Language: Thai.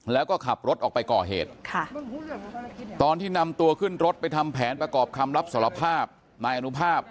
แล้วก็ขับรถออกไปก่อเหตุค่ะตอนที่นำตัวขึ้นรถไปทำแผนประกอบคำรับสารภาพนายอนุภาพ